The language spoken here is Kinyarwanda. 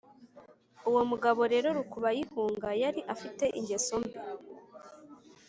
uwo mugabo rero rukubayihunga yari afite ingeso mbi